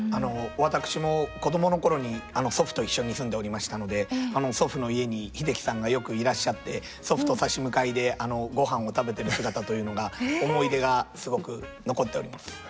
私も子供の頃に祖父と一緒に住んでおりましたので祖父の家に英樹さんがよくいらっしゃって祖父と差し向かいでごはんを食べてる姿というのが思い出がすごく残っております。